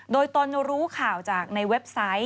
โดยตนรู้ข่าวจากในเว็บไซต์